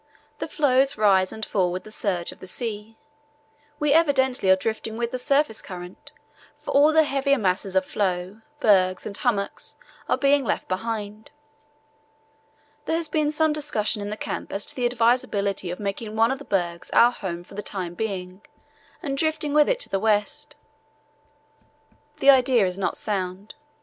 The floes rise and fall with the surge of the sea. We evidently are drifting with the surface current, for all the heavier masses of floe, bergs, and hummocks are being left behind. There has been some discussion in the camp as to the advisability of making one of the bergs our home for the time being and drifting with it to the west. The idea is not sound.